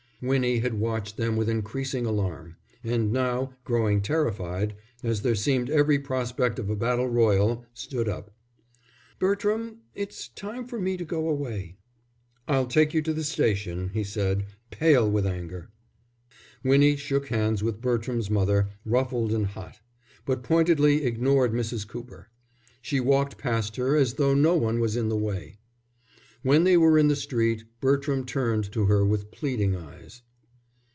Winnie had watched them with increasing alarm, and now, growing terrified, as there seemed every prospect of a battle royal, stood up. "Bertram, it's time for me to go away." "I'll take you to the station," he said, pale with anger. Winnie shook hands with Bertram's mother, ruffled and hot; but pointedly ignored Mrs. Cooper. She walked past her as though no one was in the way. When they were in the street Bertram turned to her with pleading eyes.